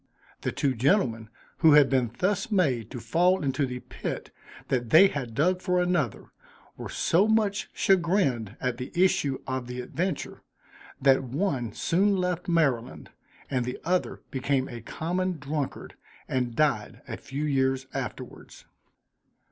The two gentlemen, who had been thus made to fall into the pit that they had dug for another, were so much chagrined at the issue of the adventure, that one soon left Maryland; and the other became a common drunkard, and died a few years afterwards.